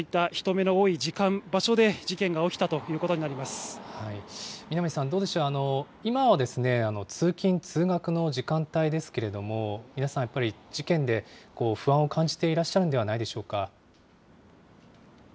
そういった人目の多い時間、場所で事件が起きたということになり見浪さん、どうでしょう、今は通勤・通学の時間帯ですけれども、皆さんやっぱり事件で不安を感じていらっしゃるんじゃないでしょうか。